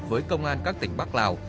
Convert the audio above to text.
với công an các tỉnh bắc lào